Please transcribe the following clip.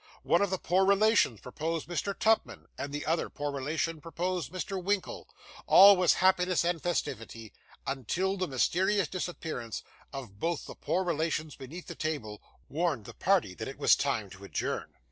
One of the poor relations proposed Mr. Tupman, and the other poor relation proposed Mr. Winkle; all was happiness and festivity, until the mysterious disappearance of both the poor relations beneath the table, warned the party that it was time to adjourn.